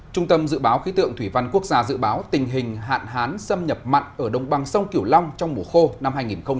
trung tâm dự báo khí tượng thủy văn quốc gia dự báo tình hình hạn hán xâm nhập mặn ở đồng bằng sông kiểu long trong mùa khô năm hai nghìn hai mươi